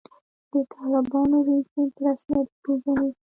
د طالبانو رژیم په رسمیت وپېژني.